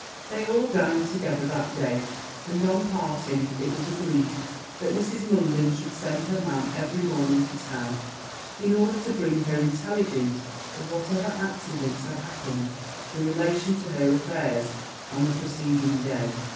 They all dined together that day; and, on parting, it was agreed that Mrs. Munden should send her man every morning to town, in order to bring her intelligence of whatever accidents had happened in relation to her affairs on the preceding day.